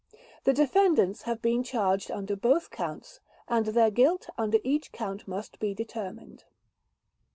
The defendants have been charged under both Counts, and their guilt under each Count must be determined.